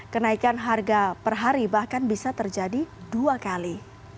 kenaikan harga per hari bahkan bisa terjadi dua kali